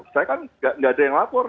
saya kan nggak ada yang lapor